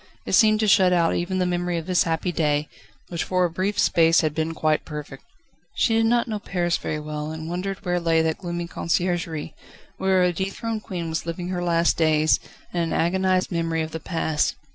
It seemed to shut out even the memory of this happy day, which for a brief space had been quite perfect. She did not know Paris very well, and wondered where lay that gloomy Conciergerie, where a dethroned queen was living her last days, in an agonised memory of the past.